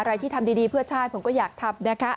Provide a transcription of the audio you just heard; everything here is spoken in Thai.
ที่ทำดีเพื่อชาติผมก็อยากทำนะคะ